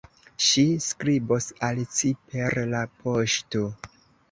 Ŝi skribos al ci per la poŝto.